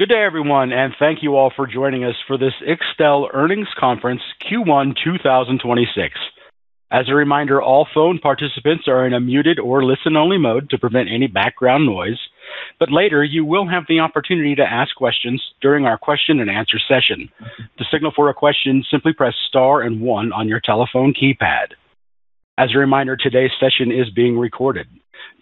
Good day, everyone, and thank you all for joining us for this IQSTEL earnings conference Q1 2026. As a reminder, all phone participants are in a muted or listen-only mode to prevent any background noise, but later, you will have the opportunity to ask questions during our question-and-answer session. To signal for a question, simply press star and one on your telephone keypad. As a reminder, today's session is being recorded.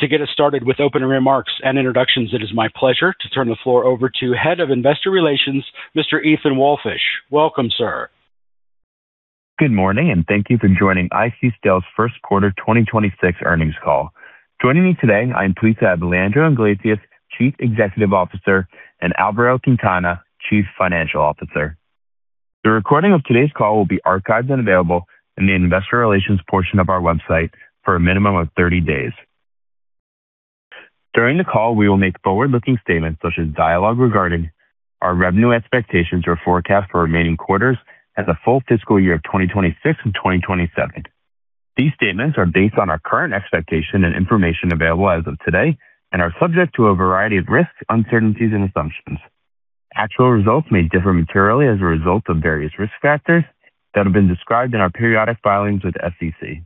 To get us started with opening remarks and introductions, it is my pleasure to turn the floor over to Head of Investor Relations, Mr. Ethan Walfish. Welcome, sir. Good morning, and thank you for joining IQSTEL's first quarter 2026 earnings call. Joining me today, I'm pleased to have Leandro Iglesias, Chief Executive Officer, and Alvaro Quintana, Chief Financial Officer. The recording of today's call will be archived and available in the investor relations portion of our website for a minimum of 30 days. During the call, we will make forward-looking statements such as dialogue regarding our revenue expectations or forecasts for remaining quarters and the full fiscal year of 2026 and 2027. These statements are based on our current expectation and information available as of today and are subject to a variety of risks, uncertainties, and assumptions. Actual results may differ materially as a result of various risk factors that have been described in our periodic filings with the SEC.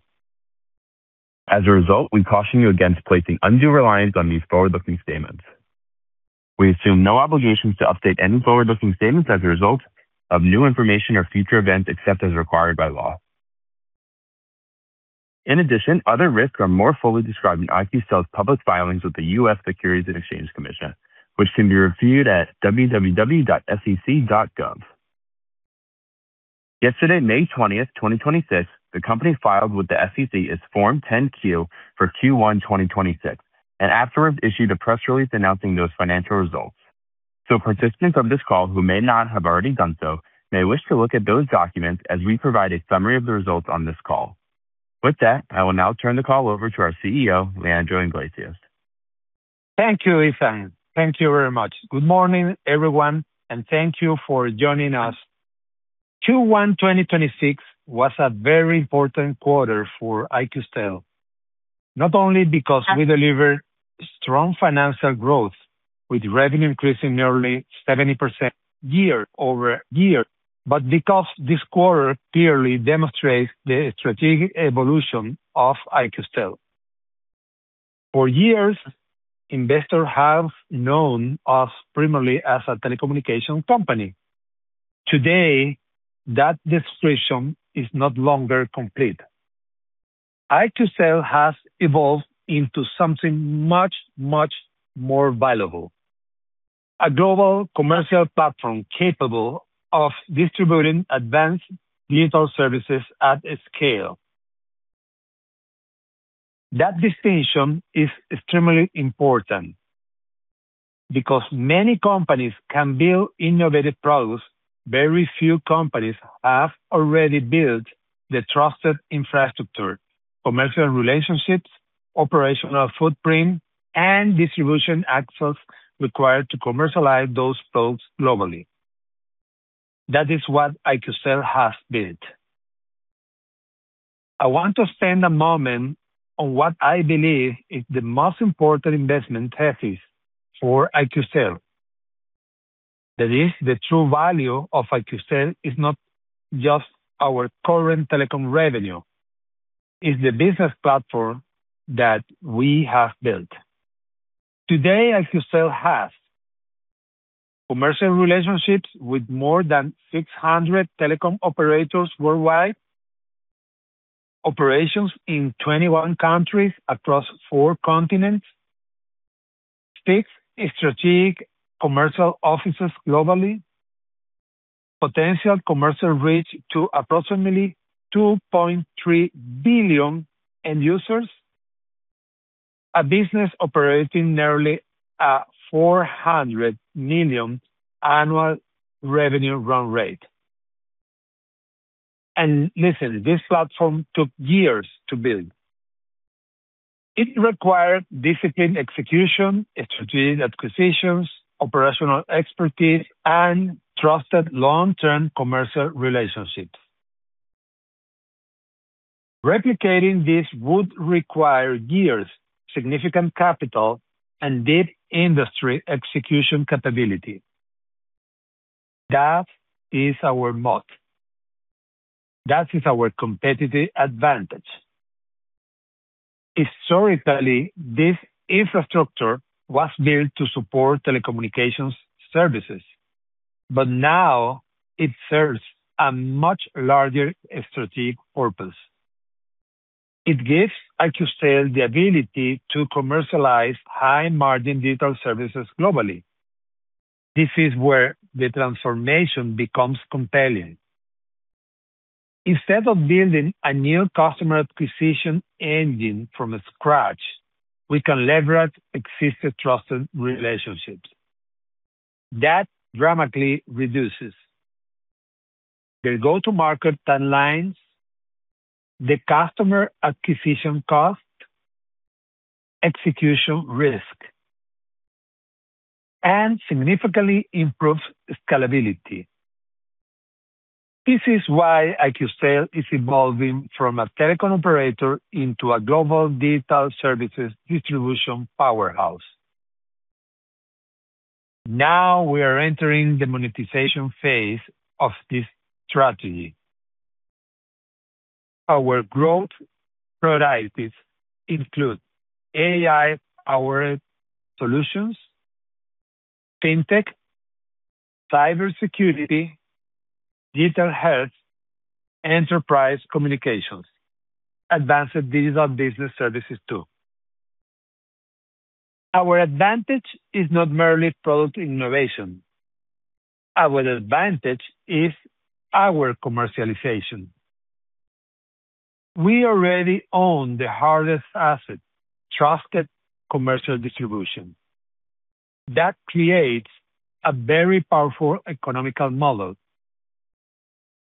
As a result, we caution you against placing undue reliance on these forward-looking statements. We assume no obligations to update any forward-looking statements as a result of new information or future events, except as required by law. In addition, other risks are more fully described in IQSTEL's public filings with the U.S. Securities and Exchange Commission, which can be reviewed at www.sec.gov. Yesterday, May 20th, 2026, the company filed with the SEC its Form 10-Q for Q1 2026, and afterwards, issued a press release announcing those financial results. Participants of this call who may not have already done so may wish to look at those documents as we provide a summary of the results on this call. With that, I will now turn the call over to our CEO, Leandro Iglesias. Thank you, Ethan. Thank you very much. Good morning, everyone, and thank you for joining us. Q1 2026 was a very important quarter for IQSTEL, not only because we delivered strong financial growth, with revenue increasing nearly 70% year-over-year, but because this quarter clearly demonstrates the strategic evolution of IQSTEL. For years, investors have known us primarily as a telecommunication company. Today, that description is no longer complete. IQSTEL has evolved into something much, much more valuable, a global commercial platform capable of distributing advanced digital services at scale. That distinction is extremely important because many companies can build innovative products, very few companies have already built the trusted infrastructure, commercial relationships, operational footprint, and distribution access required to commercialize those products globally. That is what IQSTEL has built. I want to spend a moment on what I believe is the most important investment thesis for IQSTEL. That is, the true value of IQSTEL is not just our current telecom revenue, it's the business platform that we have built. Today, IQSTEL has commercial relationships with more than 600 telecom operators worldwide, operations in 21 countries across four continents, six strategic commercial offices globally, potential commercial reach to approximately 2.3 billion end users, a business operating nearly at $400 million annual revenue run rate. Listen, this platform took years to build. It required disciplined execution, strategic acquisitions, operational expertise, and trusted long-term commercial relationships. Replicating this would require years, significant capital, and deep industry execution capability. That is our moat. That is our competitive advantage. Historically, this infrastructure was built to support telecommunications services, but now, it serves a much larger strategic purpose. It gives IQSTEL the ability to commercialize high-margin digital services globally. This is where the transformation becomes compelling. Instead of building a new customer acquisition engine from scratch, we can leverage existing trusted relationships. That dramatically reduces the go-to-market timelines, the customer acquisition cost, execution risk, and significantly improves scalability. This is why IQSTEL is evolving from a telecom operator into a global digital services distribution powerhouse. Now, we are entering the monetization phase of this strategy. Our growth priorities include AI-powered solutions, fintech, cybersecurity, digital health, enterprise communications, advanced digital business services, too. Our advantage is not merely product innovation. Our advantage is our commercialization. We already own the hardest asset: trusted commercial distribution. That creates a very powerful economical model,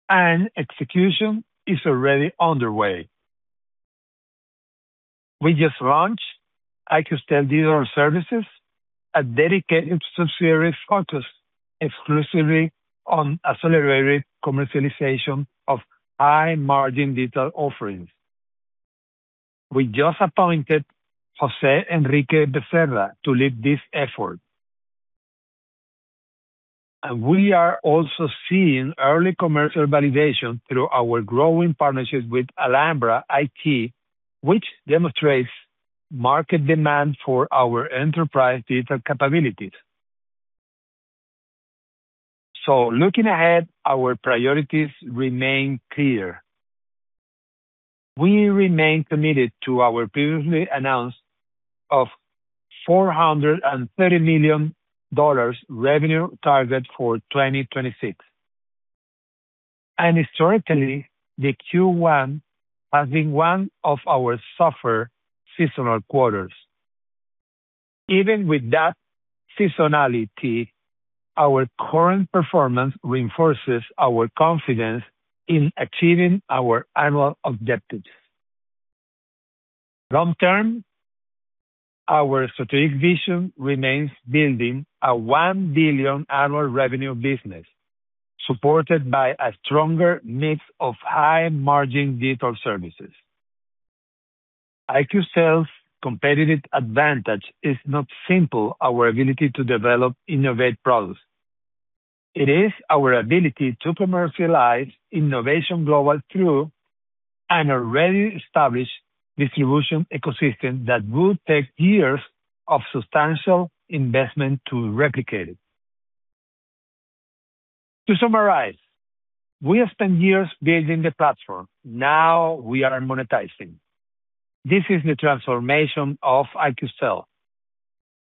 and execution is already underway. We just launched IQSTEL Digital Services, a dedicated subsidiary focused exclusively on accelerated commercialization of high-margin digital offerings. We just appointed Jorge Enrique Becerra to lead this effort. We are also seeing early commercial validation through our growing partnerships with Alhambra IT, which demonstrates market demand for our enterprise digital capabilities. Looking ahead, our priorities remain clear. We remain committed to our previously announced of $430 million revenue target for 2026. Historically, the Q1 has been one of our softer seasonal quarters. Even with that seasonality, our current performance reinforces our confidence in achieving our annual objectives. Long term, our strategic vision remains building a $1 billion annual revenue business, supported by a stronger mix of high-margin digital services. IQSTEL's competitive advantage is not simply our ability to develop innovate products. It is our ability to commercialize innovation globally through an already established distribution ecosystem that would take years of substantial investment to replicate it. To summarize, we have spent years building the platform. Now, we are monetizing. This is the transformation of IQSTEL,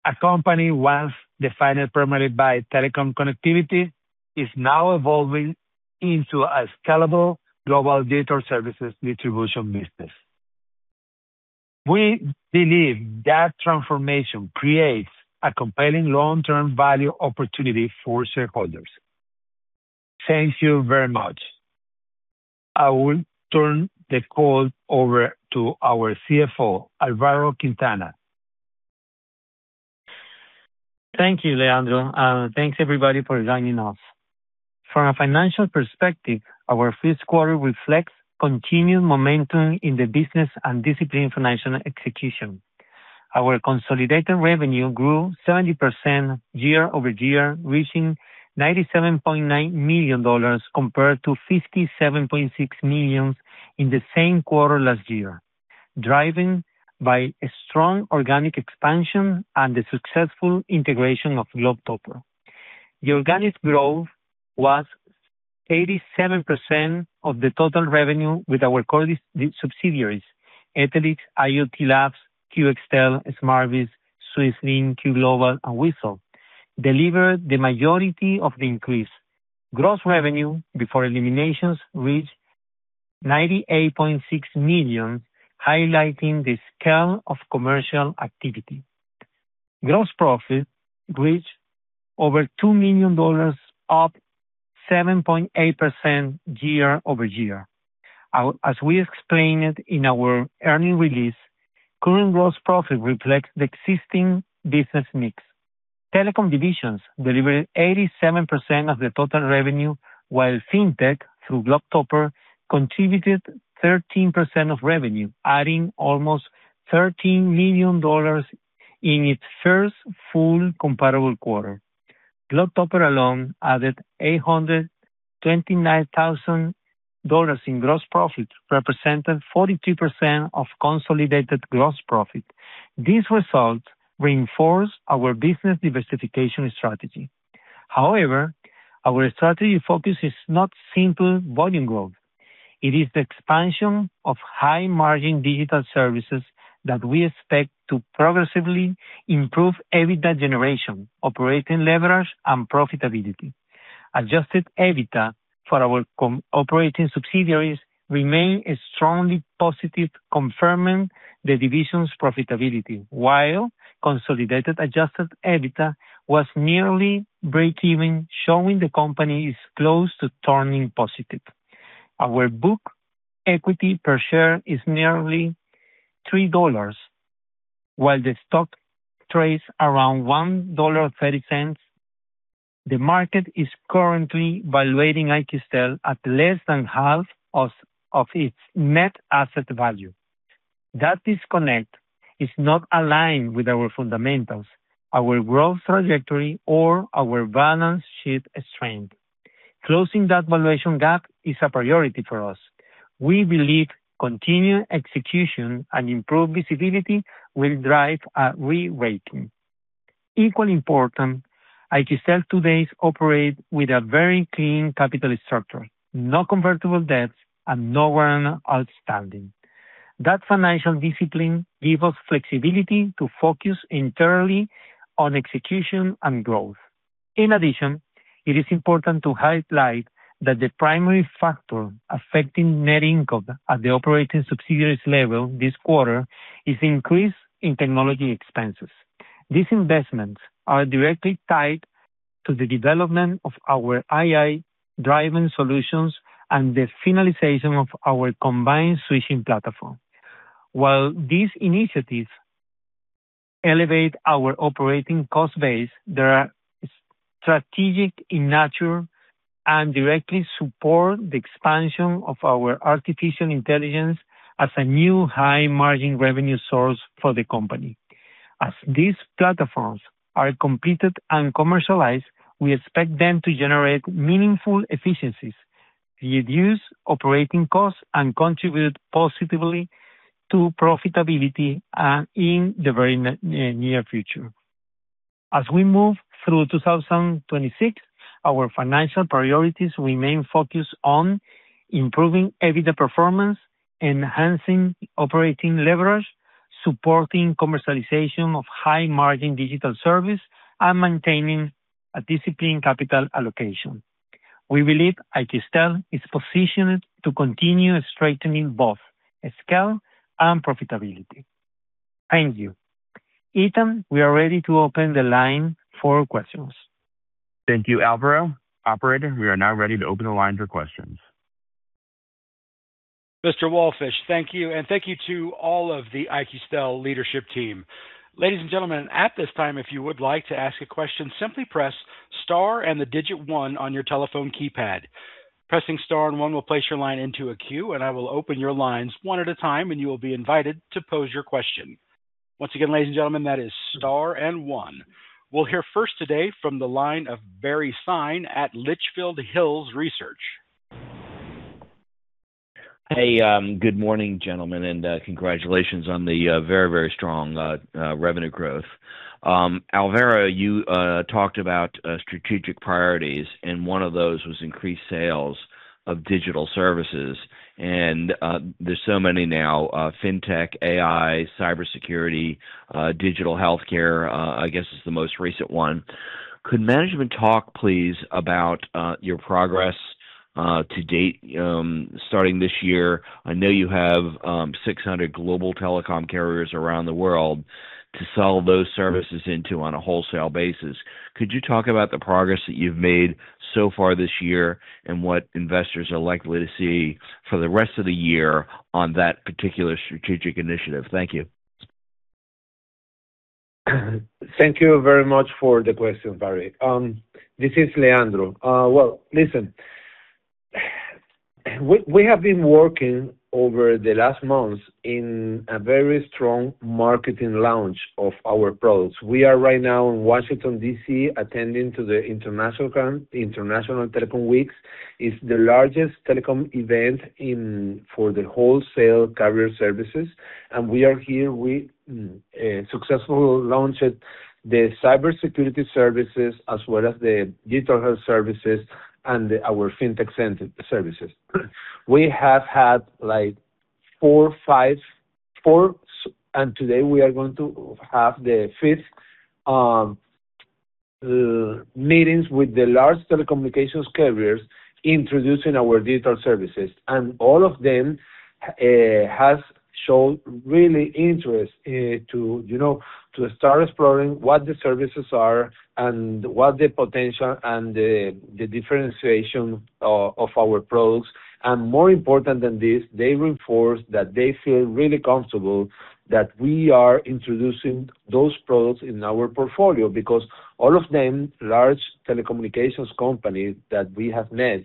a company once defined primarily by telecom connectivity is now evolving into a scalable global digital services distribution business. We believe that transformation creates a compelling long-term value opportunity for shareholders. Thank you very much. I will turn the call over to our CFO, Alvaro Quintana. Thank you, Leandro. Thanks, everybody, for joining us. From a financial perspective, our first quarter reflects continued momentum in the business and disciplined financial execution. Our consolidated revenue grew 70% year-over-year, reaching $97.9 million, compared to $57.6 million in the same quarter last year, driven by a strong organic expansion and the successful integration of GlobeTopper. The organic growth was 87% of the total revenue with our core subsidiaries: Etelix, IoT Labs, QXTEL, Smartbiz, SwissLink, QGlobal, and Whisl delivered the majority of the increase. Gross revenue before eliminations reached $98.6 million, highlighting the scale of commercial activity. Gross profit reached over $2 million, up 7.8% year-over-year. As we explained in our earning release, current gross profit reflects the existing business mix. Telecom divisions delivered 87% of the total revenue, while fintech, through GlobeTopper, contributed 13% of revenue, adding almost $13 million in its first full comparable quarter. GlobeTopper alone added $829,000 in gross profit, representing 42% of consolidated gross profit. These results reinforce our business diversification strategy. However, our strategy focus is not simply volume growth. It is the expansion of high-margin digital services that we expect to progressively improve EBITDA generation, operating leverage, and profitability. Adjusted EBITDA for our operating subsidiaries remain strongly positive, confirming the division's profitability, while consolidated adjusted EBITDA was nearly breakeven, showing the company is close to turning positive. Our book equity per share is nearly $3. While the stock trades around $1.30, the market is currently valuating IQSTEL at less than half of its net asset value. That disconnect is not aligned with our fundamentals, our growth trajectory, or our balance sheet strength. Closing that valuation gap is a priority for us. We believe continued execution and improved visibility will drive a re-rating. Equally important, IQSTEL today operates with a very clean capital structure, no convertible debts, and no earnout outstanding. That financial discipline gives us flexibility to focus entirely on execution and growth. In addition, it is important to highlight that the primary factor affecting net income at the operating subsidiaries level this quarter is increase in technology expenses. These investments are directly tied to the development of our AI-driven solutions and the finalization of our combined switching platform. While these initiatives elevate our operating cost base, they are strategic in nature and directly support the expansion of our artificial intelligence as a new high-margin revenue source for the company. As these platforms are completed and commercialized, we expect them to generate meaningful efficiencies, reduce operating costs, and contribute positively to profitability in the very near future. As we move through 2026, our financial priorities remain focused on improving EBITDA performance, enhancing operating leverage, supporting commercialization of high-margin digital service, and maintaining a disciplined capital allocation. We believe IQSTEL is positioned to continue strengthening both scale and profitability. Thank you. Ethan, we are ready to open the line for questions. Thank you, Alvaro. Operator, we are now ready to open the line for questions. Mr. Walfish, thank you, and thank you to all of the IQSTEL leadership team. Ladies and gentlemen, at this time, if you would like to ask a question, simply press star and the digit one on your telephone keypad. Pressing star and one will place your line into a queue, and I will open your lines one at a time, and you will be invited to pose your question. Once again, ladies and gentlemen, that is star and one. We'll hear first today from the line of Barry Sine at Litchfield Hills Research. Hey, good morning, gentlemen, and congratulations on the very, very strong revenue growth. Alvaro, you talked about strategic priorities, and one of those was increased sales of digital services. There's so many now, fintech, AI, cybersecurity, digital healthcare, I guess is the most recent one. Could management talk, please, about your progress to date starting this year? I know you have 600 global telecom carriers around the world to sell those services into on a wholesale basis. Could you talk about the progress that you've made so far this year, and what investors are likely to see for the rest of the year on that particular strategic initiative? Thank you. Thank you very much for the question, Barry. This is Leandro. Well, listen. We have been working over the last months in a very strong marketing launch of our products. We are right now in Washington, D.C., attending to the International Telecoms Week. It's the largest telecom event for the wholesale carrier services, and we are here. We successfully launched the cybersecurity services as well as the digital health services and our fintech services. We have had like four and today, we are going to have the fifth meetings with the large telecommunications carriers introducing our digital services. All of them have shown really interest to start exploring what the services are and what the potential and the differentiation of our products. More important than this, they reinforce that they feel really comfortable that we are introducing those products in our portfolio, because all of them, large telecommunications companies that we have met,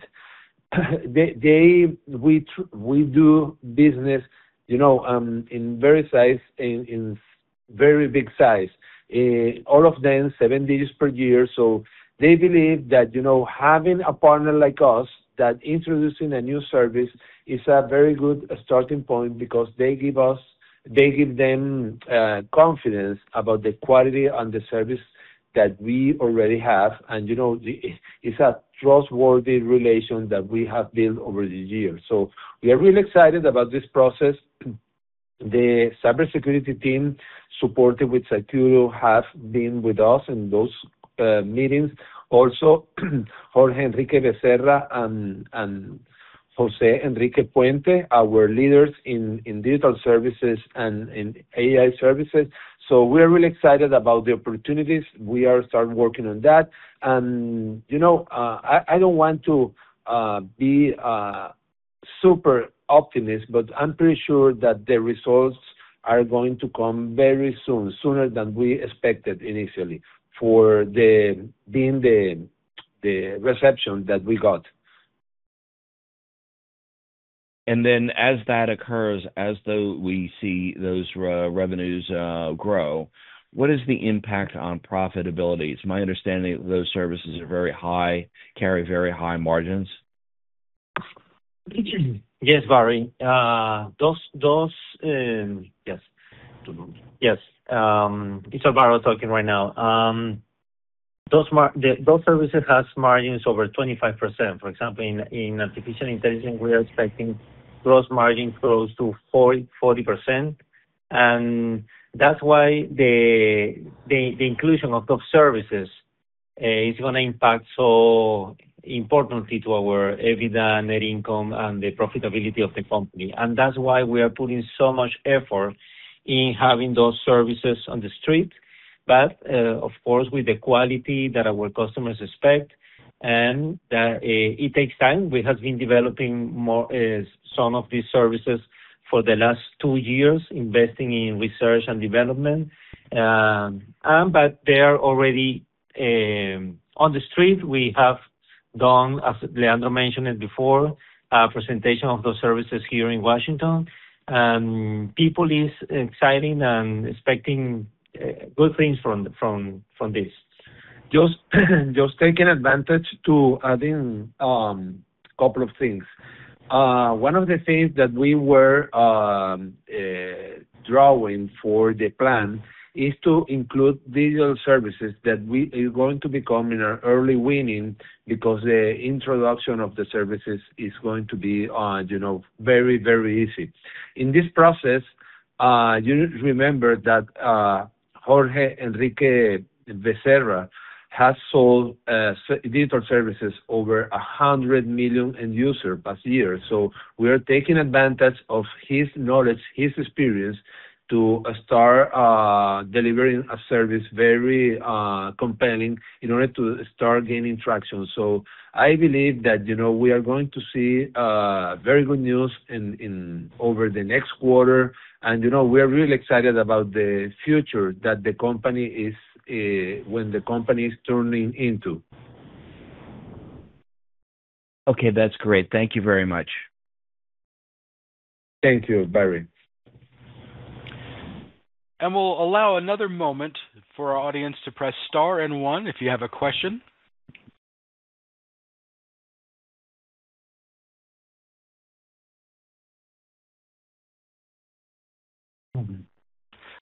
we do business in very big size. All of them, seven days per year. They believe that having a partner like us, that introducing a new service is a very good starting point because they give us, they give them confidence about the quality and the service that we already have. It's a trustworthy relation that we have built over the years. We are really excited about this process. The cybersecurity team, supported with Cycurion, have been with us in those meetings. Also, Jorge Enrique Becerra and Jose Enrique Puente, our leaders in digital services and in AI services. We are really excited about the opportunities. We are start working on that. I don't want to be super optimist, but I'm pretty sure that the results are going to come very soon, sooner than we expected initially for the reception that we got. As that occurs, as though we see those revenues grow, what is the impact on profitability? It's my understanding those services are very high, carry very high margins. Yes, Barry. Yes. It's Alvaro talking right now. Those services has margins over 25%. For example, in artificial intelligence, we are expecting gross margin close to 40%. That's why the inclusion of those services is going to impact so importantly to our EBITDA, net income, and the profitability of the company. That's why we are putting so much effort in having those services on the street. Of course, with the quality that our customers expect, and it takes time. We have been developing some of these services for the last two years, investing in research and development. They are already on the street. We have done, as Leandro mentioned it before, a presentation of those services here in Washington. People is exciting and expecting good things from this. Just taking advantage to adding couple of things. One of the things that we were drawing for the plan is to include digital services that is going to become an early winning because the introduction of the services is going to be very, very easy. In this process, you need to remember that Jorge Enrique Becerra has sold digital services over 100 million end user past year. We are taking advantage of his knowledge, his experience, to start delivering a service very compelling in order to start gaining traction. I believe that we are going to see very good news over the next quarter, and we are really excited about the future that the company is turning into. Okay, that's great. Thank you very much. Thank you, Barry. We'll allow another moment for our audience to press star and one if you have a question.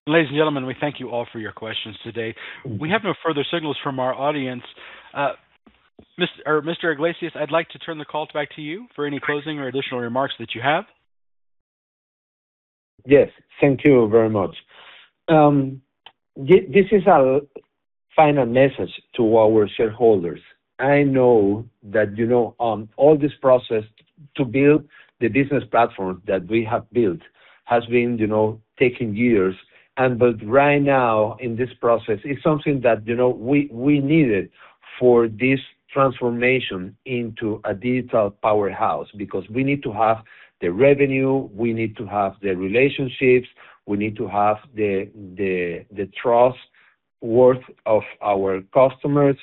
Ladies and gentlemen, we thank you all for your questions today. We have no further signals from our audience. Mr. Iglesias, I'd like to turn the call back to you for any closing or additional remarks that you have. Yes. Thank you very much. This is a final message to our shareholders. I know that on all this process to build the business platform that we have built has been taking years. Right now, in this process, it's something that we needed for this transformation into a digital powerhouse because we need to have the revenue, we need to have the relationships, we need to have the trust worth of our customers.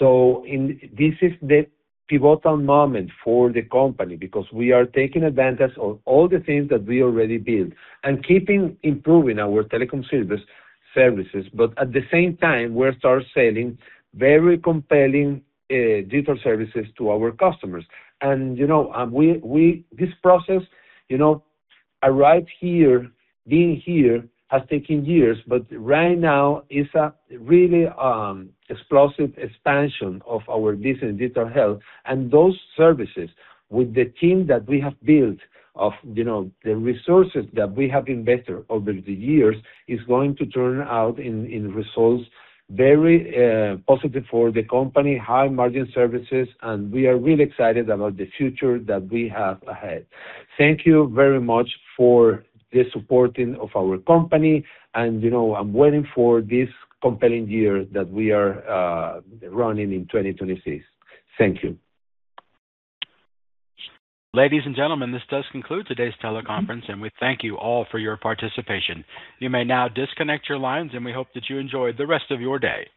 This is the pivotal moment for the company because we are taking advantage of all the things that we already built and keeping improving our telecom services. At the same time, we'll start selling very compelling digital services to our customers. This process arrive here, being here, has taken years, but right now is a really explosive expansion of our business digital health. Those services with the team that we have built of the resources that we have invested over the years is going to turn out in results very positive for the company, high margin services, and we are really excited about the future that we have ahead. Thank you very much for the supporting of our company, and I'm waiting for this compelling year that we are running in 2026. Thank you. Ladies and gentlemen, this does conclude today's teleconference, and we thank you all for your participation. You may now disconnect your lines, and we hope that you enjoy the rest of your day.